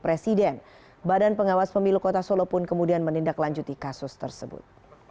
presiden badan pengawas pemilu kota solo pun kemudian menindaklanjuti kasus tersebut